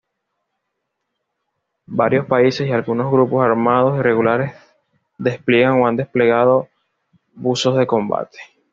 Varios países y algunos grupos armados irregulares despliegan o han desplegado buzos de combate.